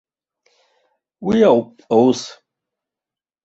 Уи ауп аус!